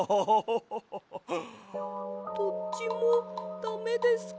どっちもダメですか？